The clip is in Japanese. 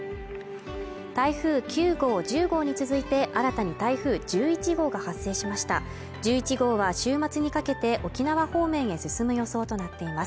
台風９号１０号に続いて新たに台風１１号が発生しました１１号は週末にかけて沖縄方面へ進む予想となっています